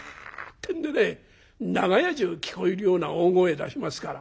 長屋中聞こえるような大声出しますから。